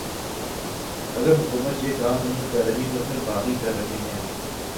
اگر حکومت یہ کام نہیں کررہی تو پھر باغی کررہے ہیں